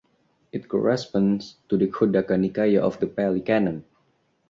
It corresponds to the Khuddaka Nikaya of the Pali Canon.